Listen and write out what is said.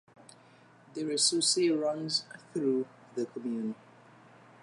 The Reyssouze runs through the commune.